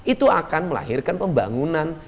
itu akan melahirkan pembangunan